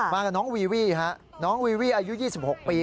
กับน้องวีวี่ฮะน้องวีวี่อายุ๒๖ปี